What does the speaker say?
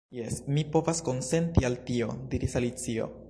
"Jes, mi povas konsenti al tio," diris Alicio.